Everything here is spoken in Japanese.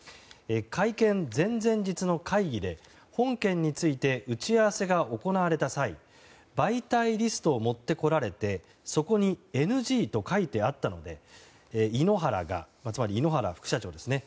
会見前々日の会議で本件について打ち合わせが行われた際媒体リストを持ってこられてそこにＮＧと書いてあったので井ノ原がつまり井ノ原副社長ですね